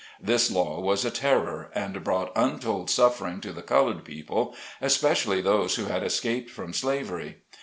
This law was a terror, and brought untold suffering to the colored people, especially those who had escaped from slavery.